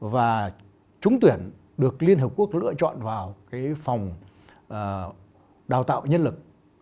và trúng tuyển được liên hợp quốc lựa chọn vào phòng đào tạo nhân lực